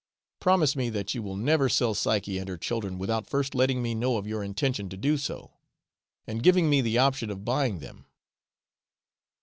Promise me that you will never sell Psyche and her children without first letting me know of your intention to do so, and giving me the option of buying them.'